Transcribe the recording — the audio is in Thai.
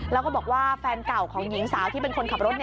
แล้วก็บอกว่าแฟนเก่าของหญิงสาวที่เป็นคนขับรถ